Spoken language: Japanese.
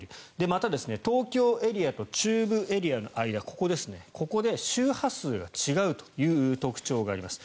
また、東京エリアと中部エリアの間ここで周波数が違うという特徴があります。